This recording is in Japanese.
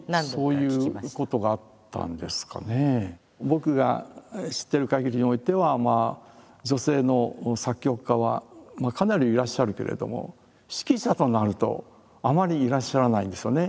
僕が知っているかぎりにおいては女性の作曲家はかなりいらっしゃるけれども指揮者となるとあまりいらっしゃらないんですよね。